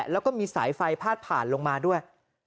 แล้วก็มีสายไฟพาดผ่านลงมาด้วย